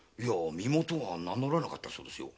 身元は名のらなかったそうですよ。